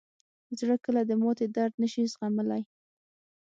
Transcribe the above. زړه کله د ماتې درد نه شي زغملی.